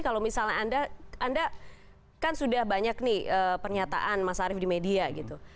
kalau misalnya anda kan sudah banyak nih pernyataan mas arief di media gitu